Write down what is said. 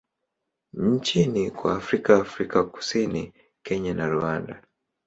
nchini kwa Afrika Afrika Kusini, Kenya na Rwanda.